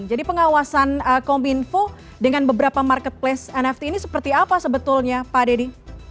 jadi pengawasan kominfo dengan beberapa marketplace nft ini seperti apa sebetulnya pak dedy